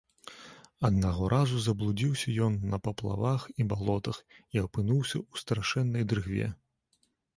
Аднаго разу заблудзіўся ён на паплавах і балотах і апынуўся ў страшэннай дрыгве.